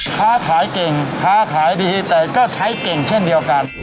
ค้าขายเก่งค้าขายดีแต่ก็ใช้เก่งเช่นเดียวกัน